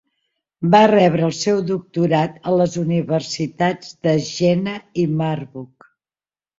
Va rebre el seu doctorat a les universitats de Jena i Marburg.